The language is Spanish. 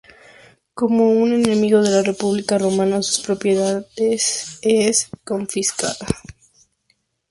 Como un "enemigo de la república romana", su propiedad es confiscada.